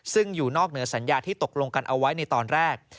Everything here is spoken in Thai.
ซึ่งอยู่นอกเหนือสัญญาที่ตกลงกันเอาไว้ในตอนแรก